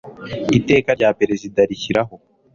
Iteka rya Perezida rishyiraho